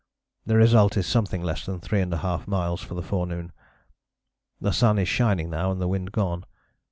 The result is something less than 3½ miles for the forenoon. The sun is shining now and the wind gone.